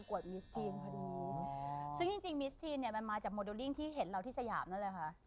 เวทีเนี่ยมันมาจากโมเดลลิ่งที่เห็นเราที่สยามนั่นแหละค่ะ